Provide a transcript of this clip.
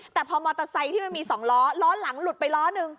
แต่พอมอเตอร์ไซค์ที่มันมี๒ล้อล้อหลังหลุดไปล้อนึง